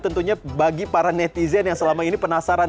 tentunya bagi para netizen yang selama ini penasaran